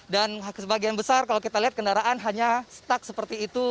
dan sebagian besar kalau kita lihat kendaraan hanya stuck seperti itu